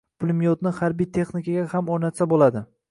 Pulemyotni harbiy texnikalarga ham o‘rnatsa bo‘ladi